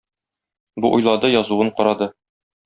Бу уйлады, язуын карады.